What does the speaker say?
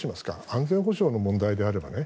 安全保障の問題であればね